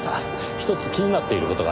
１つ気になっている事があります。